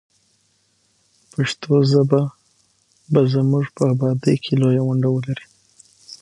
پښتو ژبه به زموږ په ابادۍ کې لویه ونډه ولري.